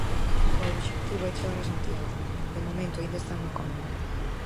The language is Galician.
O obxectivo é chegar a Santiago, pero de momento aínda están no Camiño.